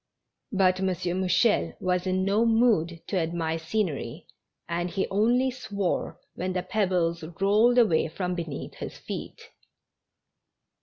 But M. Mouchel was in no mood to admire scenery, and he only swore when the pebbles rolled away from beneath his feet.